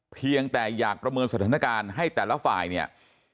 เพียงแต่อยากประเมินสถานการณ์ให้แต่ละฝ่ายเนี่ย